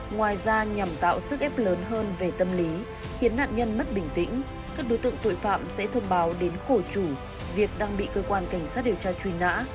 ngoài ra nhằm tạo sức ép lớn hơn về tâm lý khiến nạn nhân mất bình tĩnh các đối tượng tội phạm sẽ thông báo đến khổ chủ việc đang bị cơ quan cảnh sát điều tra truy nã